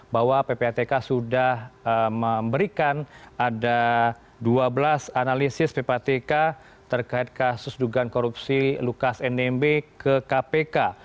bahwa ppatk sudah memberikan ada dua belas analisis ppatk terkait kasus dugaan korupsi lukas nmb ke kpk